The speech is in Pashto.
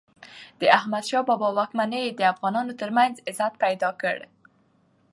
د احمد شاه بابا واکمني د افغانانو ترمنځ عزت پیدا کړ.